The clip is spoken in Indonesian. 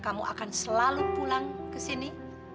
kamu akan selalu pulang kesini